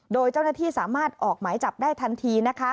โดยเจ้าหน้าที่สามารถออกหมายจับได้ทันทีนะคะ